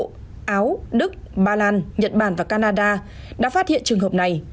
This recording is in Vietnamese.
áo đức ba lan nhật bản và canada đã phát hiện trường hợp này